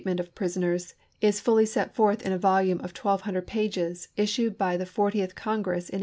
ment of prisoners is fully set forth in a volume of twelve hundred pages, issued by the Fortieth Con gress in 1869.